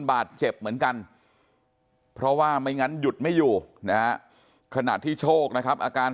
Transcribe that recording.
บาดเจ็บเหมือนกันเพราะว่าไม่งั้นหยุดไม่อยู่นะฮะขณะที่โชคนะครับอาการ